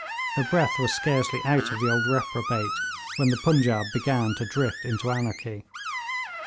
The breath was scarcely out of the old reprobate when the Punjaub began to drift into anarchy.